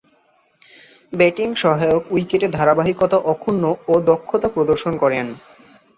Batting সহায়ক উইকেটে ধারাবাহিকতা অক্ষুণ্ন ও দক্ষতা প্রদর্শন করেন।